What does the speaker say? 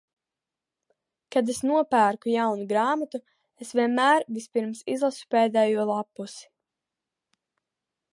Kad es nopērku jaunu grāmatu, es vienmēr vispirms izlasu pēdējo lappusi.